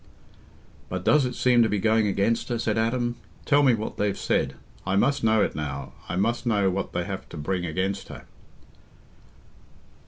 "But does it seem to be going against her?" said Adam. "Tell me what they've said. I must know it now—I must know what they have to bring against her."